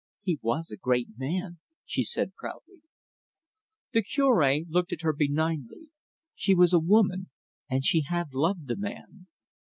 "He was a great man," she said proudly. The Cure looked at her benignly: she was a woman, and she had loved the man.